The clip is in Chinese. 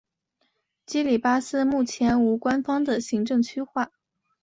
基里巴斯目前无官方的行政区划。